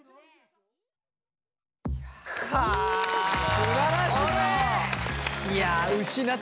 すばらしい！